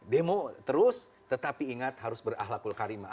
demo terus tetapi ingat harus berahlakul karimah